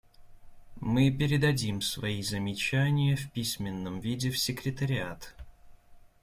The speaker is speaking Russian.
Мы передадим свои замечания в письменном виде в секретариат.